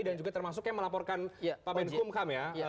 dan juga termasuk yang melaporkan pak menkumham ya